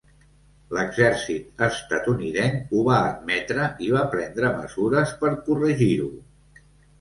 L'exèrcit estatunidenc ho va admetre i va prendre mesures per corregir-ho.